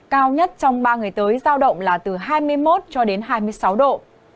cao nhất trong ba ngày tới giao động là từ hai mươi một cho đến hai mươi sáu độ